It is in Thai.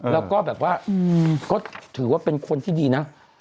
แล้วก็แบบว่าก็ถือว่าเป็นคนที่ดีนะ